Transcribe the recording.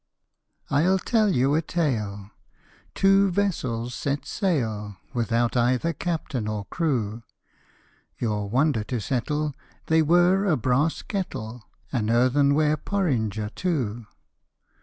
I'LL tell you a tale : two vessels set sail, Without either captain or crew ! Your wonder to settle, they were a brass kettle, An earthenware porringer too.